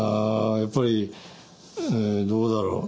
やっぱりどうだろう。